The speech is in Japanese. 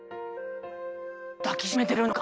抱きしめてくれるのか？